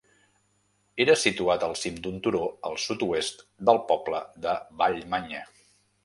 Era situat al cim d'un turó al sud-oest del poble de Vallmanya.